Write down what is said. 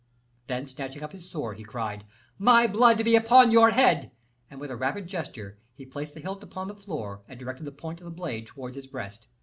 Then snatching up his sword, he cried, "My blood be upon your head!" and, with a rapid gesture, he placed the hilt upon the floor and directed the point of the blade towards his breast.